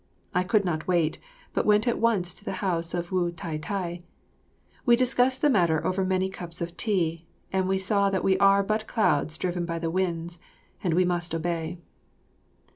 I could not wait, but went at once to the house of Wu Tai tai. We discussed the matter over many cups of tea, and we saw that we are but clouds driven by the winds and we must obey.